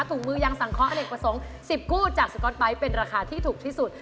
ถุงมือยังสังเคราะห์อเนกประสงค์๑๐กู้จากสก๊อตไบท์เป็นราคาที่ถูกที่สุด